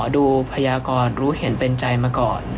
พยากรรู้เห็นเป็นใจมาก่อน